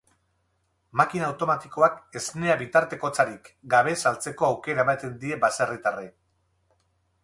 Makina automatikoak esnea bitartekotzarik gabe saltzeko aukera ematen die baserritarrei.